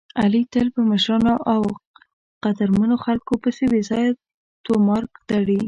علي تل په مشرانو او قدرمنو خلکو پسې بې ځایه طومار تړي.